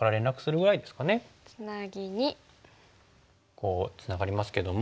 こうつながりますけども。